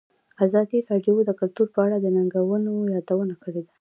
ازادي راډیو د کلتور په اړه د ننګونو یادونه کړې.